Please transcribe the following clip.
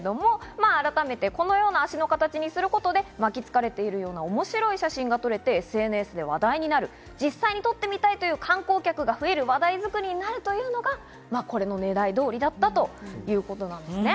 改めてこのような足の形にすることで面白い写真が撮れてＳＮＳで話題になる、実際に撮ってみたいという観光客が増える、話題作りになるというのがねらい通りだったということなんです。